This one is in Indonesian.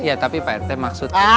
ya tapi pak rt maksudnya